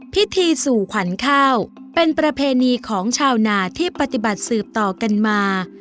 พิธีสู่ขวัญข้าวเป็นประเพณีของชาวนาที่ปฏิบัติสืบต่อกันมา